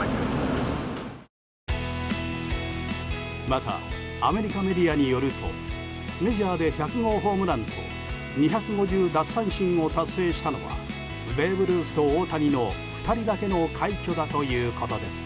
またアメリカメディアによるとメジャーで１００号ホームランと２５０奪三振を達成したのはベーブ・ルースと大谷の２人だけの快挙だということです。